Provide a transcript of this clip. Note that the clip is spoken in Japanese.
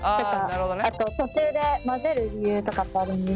あと途中で混ぜる理由とかってあるんですか？